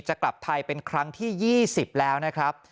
จะกลับไทยเป็นครั้งที่๒๐แล้วนะครับ